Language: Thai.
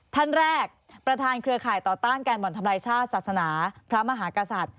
ท่านแรกประธานเครือข่ายต่อต้านการบ่อนทำลายชาติศาสนาพระมหากษัตริย์